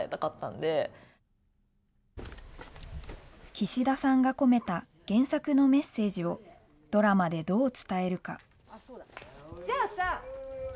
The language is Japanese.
岸田さんが込めた原作のメッセージを、ドラマでどう伝えるか。